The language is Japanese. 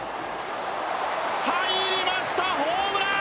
入りました、ホームラン！